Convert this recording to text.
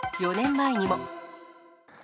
４年前にも。